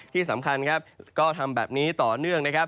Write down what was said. ที่สำคัญก็ทำแบบนี้ต่อเนื่อง